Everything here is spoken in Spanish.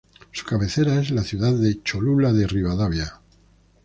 Su cabecera es la ciudad de Cholula de Rivadavia.